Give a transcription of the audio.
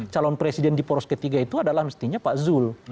calon presiden di poros ketiga itu adalah mestinya pak zul